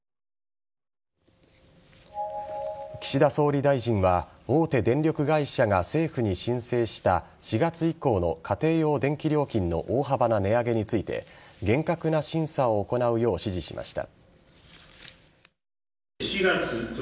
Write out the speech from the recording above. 岸田総理大臣は大手電力会社が政府に申請した４月以降の家庭用電気料金の大幅な値上げについて厳格な審査を行うよう指示しました。